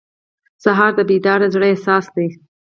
سهار د بیدار زړه احساس دی.